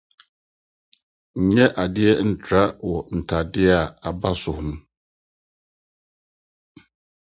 Nnyɛ ade ntra so wɔ ntade a aba so ho.